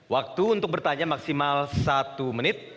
waktu untuk bertanya maksimal satu menit